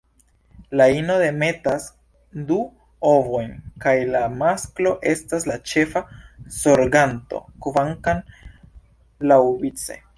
La ino demetas du ovojn kaj la masklo estas la ĉefa zorganto, kvankam laŭvice.